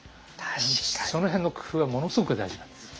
その辺の工夫はものすごく大事なんです。